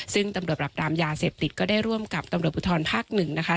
ซึ่งตำรวจปรับรามยาเสพติดก็ได้ร่วมกับตำรวจภูทรภาคหนึ่งนะคะ